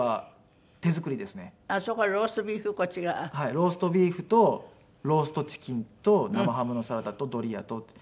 ローストビーフとローストチキンと生ハムのサラダとドリアとって。